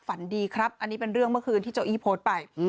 ฝันดีครับอันนี้เป็นเรื่องเมื่อคืนที่โจอี้โพสต์ไป